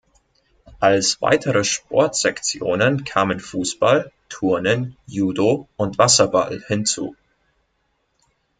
Als weitere Sportsektionen kamen Fußball, Turnen, Judo und Wasserball hinzu.